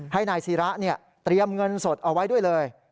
ให้นายศิระเตรียมเงินสดเอาไว้ด้วยเลย